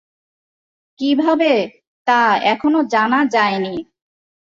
কীভাবে, তা এখনো জানা যায়নি।